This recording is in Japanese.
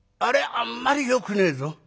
あんまりよくねえぞ。